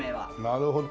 なるほど。